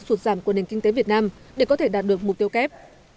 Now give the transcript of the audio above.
sụt giảm của nền kinh tế việt nam để có thể đạt được mục tiêu kép